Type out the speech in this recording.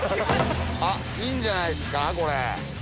あっいいんじゃないですかこれ。